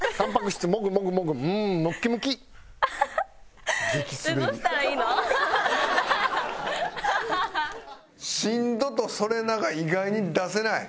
「しんど」と「それな」が意外に出せない。